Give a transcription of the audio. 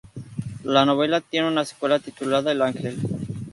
La novela tiene una secuela titulada "el ángel".